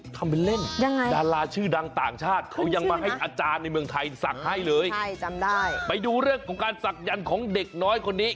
คำเป็นเล่นดาราชื่อดังต่างชาติเขายังมาให้อาจารย์ในเมืองไทยสักให้เลยไปดูเรื่องของการสักหยั่นของเด็กน้อยคนนี้